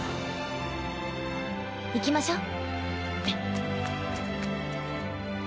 行きましょう。